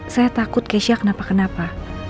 saya takut keisha kenapa kenapa